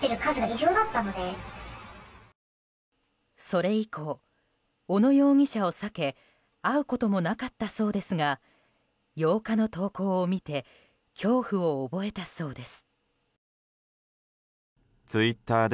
それ以降、小野容疑者を避け会うこともなかったそうですが８日の投稿を見て恐怖を覚えたそうです。